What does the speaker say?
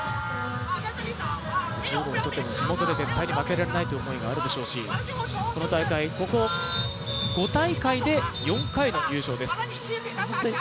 中国にとっても地元で絶対に負けられないという思いがあるでしょうしこの大会、ここ５大会で４回の優勝です。